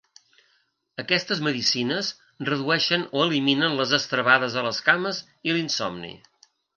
Aquestes medicines redueixen o eliminen les estrebades a les cames i l'insomni.